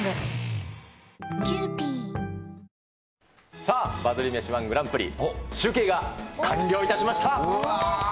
さあ、バズり飯ー１グランプリ、集計が完了いたしました。